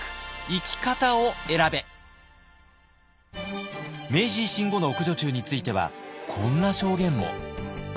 明治維新後の奥女中についてはこんな証言も。